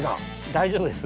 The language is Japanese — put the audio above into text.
大丈夫です。